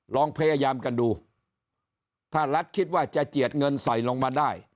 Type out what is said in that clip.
ลองพยายามกันดูถ้ารัฐคิดว่าจะเจียดเงินใส่ลงมาได้